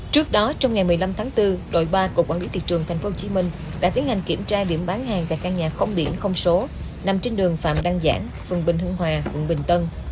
trước đó trong ngày một mươi năm tháng bốn đội ba cục quản lý thị trường tp hcm đã tiến hành kiểm tra điểm bán hàng tại căn nhà không biển không số nằm trên đường phạm đăng giảng phường bình hưng hòa quận bình tân